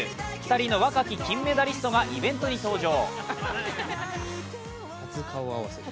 ２人の若き金メダリストがイベントに登場。